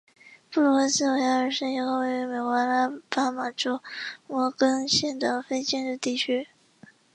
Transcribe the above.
布鲁克斯维尔是一个位于美国阿拉巴马州摩根县的非建制地区。